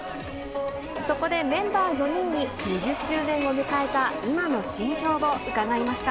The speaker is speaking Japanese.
そこでメンバー４人に、２０周年を迎えた今の心境を伺いました。